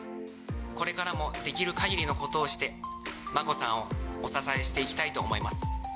これからもできるかぎりのことをして、眞子さんをお支えしていきたいと思います。